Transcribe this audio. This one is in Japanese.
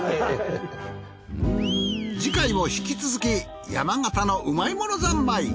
次回も引き続き山形のうまいもの三昧。